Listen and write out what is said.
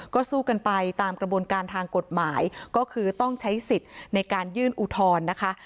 ก็สู้กันไปตามกระบวนการทางกฎหมายก็คือต้องใช้สิทธิ์ในการยื่นอุทธรณ์นะคะ